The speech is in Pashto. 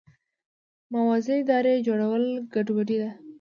موازي ادارې جوړول ګډوډي ده.